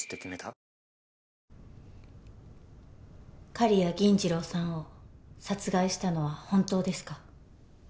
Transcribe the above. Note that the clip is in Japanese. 刈谷銀次郎さんを殺害したのは本当ですか？